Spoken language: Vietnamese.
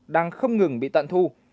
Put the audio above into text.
đang không ngừng bị tận thu